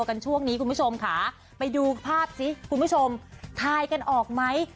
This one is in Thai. คุณผู้ชมค่ะไปดูภาพสิคุณผู้ชมทายกันออกไหม